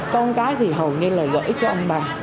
con cái thì hầu như là gửi cho ông bà